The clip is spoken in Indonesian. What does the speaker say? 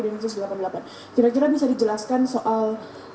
densus delapan puluh delapan kira kira bisa dijelaskan soal